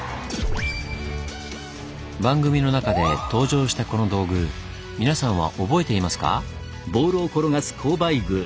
番組の中で登場したこの道具皆さんは覚えていますか？